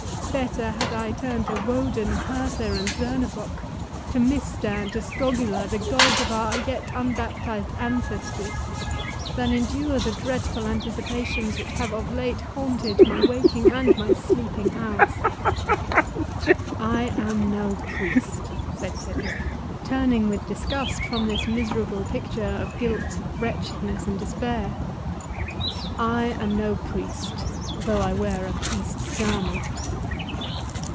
Better had I turn to Woden, Hertha, and Zernebock—to Mista, and to Skogula, the gods of our yet unbaptized ancestors, than endure the dreadful anticipations which have of late haunted my waking and my sleeping hours!" "I am no priest," said Cedric, turning with disgust from this miserable picture of guilt, wretchedness, and despair; "I am no priest, though I wear a priest's garment."